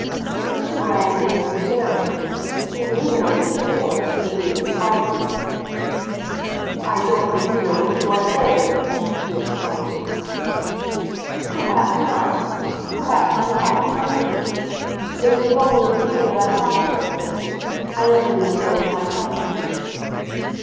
Mr. Brand remained staring; he was even a little pale, as if he had been frightened. "I don't think you know what you are saying!" he exclaimed. "Perhaps not. Perhaps I am talking nonsense. But it is only with you that I talk nonsense. I never do so with my cousin."